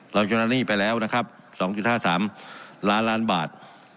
ชำระหนี้ไปแล้วนะครับ๒๕๓ล้านล้านบาท